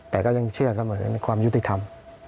แต่ก็ยังเชื่อเสมอในความยุติธรรม